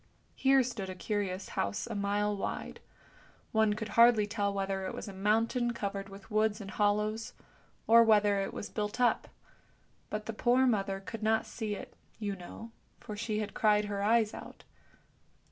Here stood a curious house a mile wide; one could hardly tell whether it was a mountain covered with woods and hollows, or whether it was built up; but the poor mother could not see it, you know, for she had cried her eyes out.